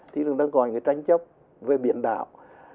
thì cũng đang có những tranh chấp về biển đảo